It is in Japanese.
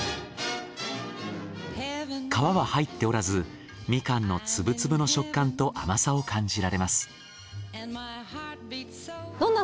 皮は入っておらずみかんのツブツブの食感と甘さを感じられます。